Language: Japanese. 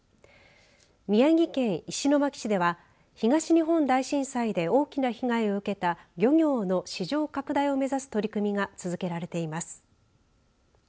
宮城県石巻市では東日本大震災で大きな被害を受けた漁業の市場拡大を目指す取り組みが続けられています。